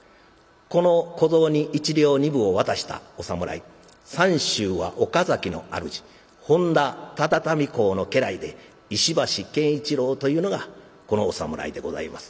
この小僧に一両二分を渡したお侍三州は岡崎の主本多忠民公の家来で石橋健一郎というのがこのお侍でございます。